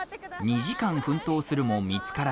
２時間奮闘するも見つからず。